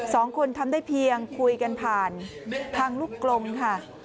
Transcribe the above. สองคนทำได้เพียงคุยกันผ่านทางลูกกลมค่ะ